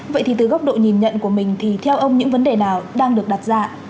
vậy thì từ góc độ nhìn nhận của mình thì theo ông những vấn đề nào đang được đặt ra ạ